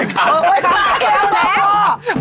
เอาแล้ว